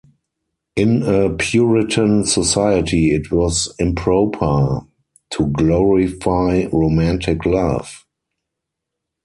In a Puritan society it was improper to glorify romantic love.